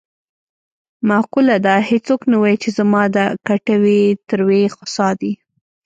معقوله ده: هېڅوک نه وايي چې زما د کټوې تروې خسا دي.